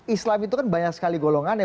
islam itu kan banyak sekali golongan ya